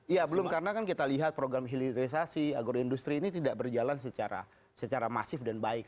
iya belum karena kan kita lihat program hilirisasi agroindustri ini tidak berjalan secara masif dan baik